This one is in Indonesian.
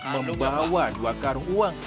membawa dua karung uang